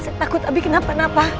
saya takut abi kenapa kenapa